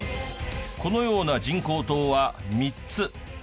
このような人工島は３つ。